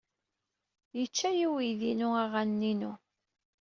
Yečča-iyi uydi-inu aɣanen-inu.